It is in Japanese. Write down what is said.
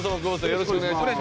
よろしくお願いします。